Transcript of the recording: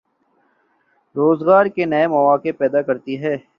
روزگار کے نئے مواقع پیدا کرتی ہے۔